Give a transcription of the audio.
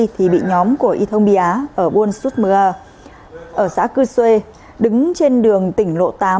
thì bị nhóm của y thông bì á ở buôn xuất mưa ở xã cư xê đứng trên đường tỉnh lộ tám